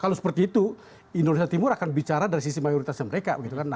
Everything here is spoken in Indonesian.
kalau seperti itu indonesia timur akan bicara dari sisi mayoritasnya mereka